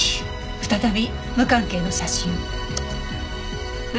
再び無関係の写真。